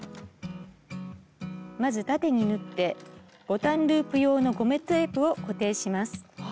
まず縦に縫ってボタンループ用のゴムテープを固定します。